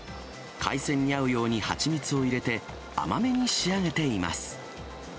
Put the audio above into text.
海鮮に合うように蜂蜜を入れて、甘めに仕上げています。